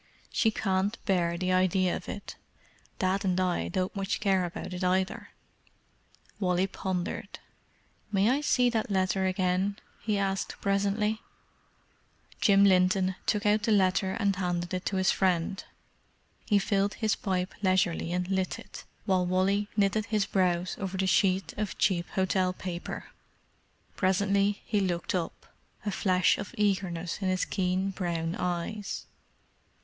"She can't bear the idea of it. Dad and I don't much care about it either." Wally pondered. "May I see that letter again?" he asked presently. Jim Linton took out the letter and handed it to his friend. He filled his pipe leisurely and lit it, while Wally knitted his brows over the sheet of cheap hotel paper. Presently he looked up, a flash of eagerness in his keen brown eyes.